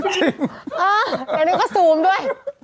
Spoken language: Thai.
แต่นึงก็ซูมด้วย